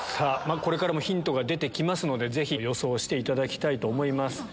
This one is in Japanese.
これからもヒントが出ますので予想していただきたいと思います。